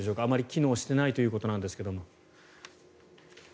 あまり機能していないということなんですが。